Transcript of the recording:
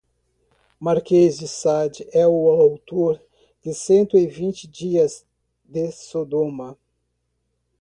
Marquês de Sade é o autor de cento e vinte dias de sodoma